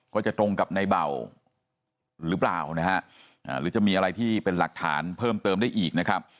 ก็จะตรงกับในเบาหรือเปล่านะฮะหรือจะมีอะไรที่เป็นหลักฐานเพิ่มเติมได้อีกนะครับ